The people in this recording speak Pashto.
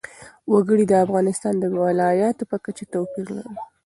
وګړي د افغانستان د ولایاتو په کچه توپیر لري.